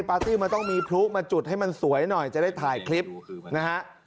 ปาร์ตี้มันต้องมีพลุมาจุดให้มันสวยหน่อยจะได้ถ่ายคลิปนะฮะ